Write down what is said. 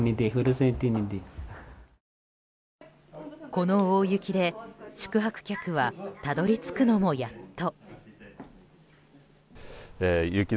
この大雪で宿泊客はたどり着くのもやっと。